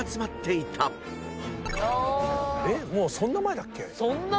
もうそんな前だっけ